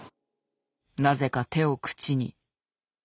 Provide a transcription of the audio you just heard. なぜか手を口に。